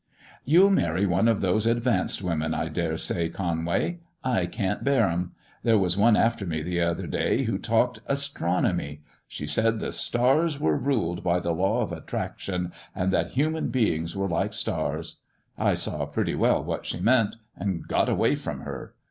" You'll marry one of those advanced women, I dare say, Conway. I can't bear 'em. There was one after me the other day who talked astronomy. She said the stars were ruled by the law of attraction, and that human beings were like stars. I saw pretty well what she meant, and got away from her.